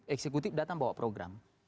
eksekutif datang bawa program